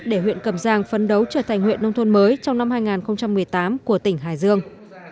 để huyện cầm giang phấn đấu trở thành huyện nông thôn mới trong năm hai nghìn một mươi tám của tỉnh hải dương